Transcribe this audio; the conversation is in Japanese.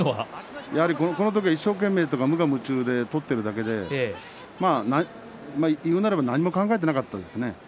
このときは一生懸命やっているだけでいうなれば何も考えていなかったんですよね。